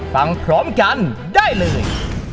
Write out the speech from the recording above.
ฟังพร้อมกันได้เลย